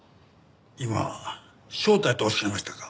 今招待とおっしゃいましたか？